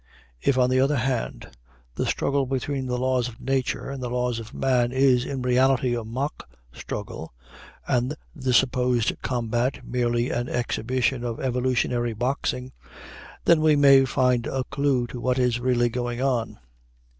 If, on the other hand, the struggle between the laws of nature and the laws of man is in reality a mock struggle, and the supposed combat merely an exhibition of evolutionary boxing, then we may find a clew to what is really going on.